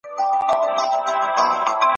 ژمني د اعتماد کچه لوړوي.